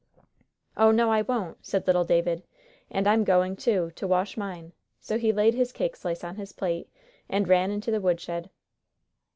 "Oh, no, I won't," said little David, "and I'm going too, to wash mine." So he laid his cake slice on his plate, and ran into the woodshed.